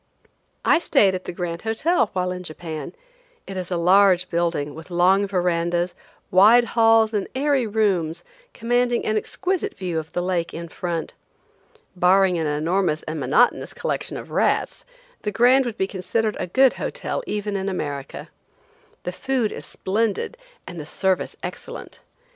I stayed at the Grand Hotel while in Japan. It is a large building, with long verandas, wide halls and airy rooms, commanding an exquisite view of the lake in front. Barring an enormous and monotonous collection of rats, the Grand would be considered a good hotel even in America. The food is splendid and the service excellent.